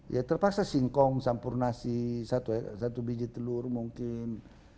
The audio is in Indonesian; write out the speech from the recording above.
ya terpaksa singkong sampur nasi satu biji telur mungkin